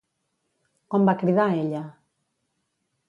Com va cridar ella?